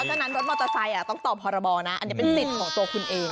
ฉะนั้นรถมอเตอร์ไซค์ต้องตอบพรบนะอันนี้เป็นสิทธิ์ของตัวคุณเอง